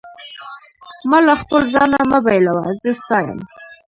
ما له خپل ځانه مه بېلوه، زه ستا یم.